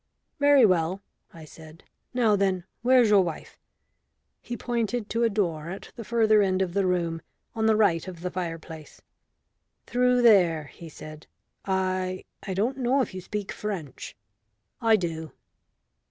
"Very well," I said. "Now then, where's your wife?" He pointed to a door at the further end of the room, on the right of the fireplace. "Through there," he said. "I I don't know if you speak French." "I do."